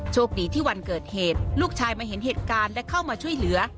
โชคดีที่วันเกิดเหตุลูกชายมาเห็นเหตุการณ์และเข้ามาช่วยเหลือ